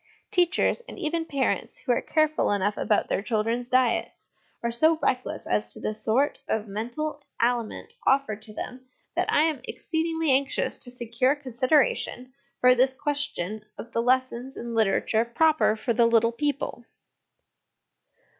Teachers, and even parents, who are careful enough about their children's diet, are LESSONS AS INSTRUMENTS OF EDUCATION I?/ so reckless as to the sort of mental aliment offered to them, that I am exceedingly anxious to secure consideration for this question, of the lessons and literature proper for the little people.